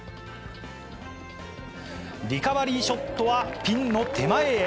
リカバリーショットはピンの手前へ。